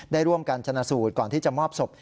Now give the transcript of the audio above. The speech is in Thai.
ได้ร่วมกันชนะสูตรก่อนที่จะมอบศพ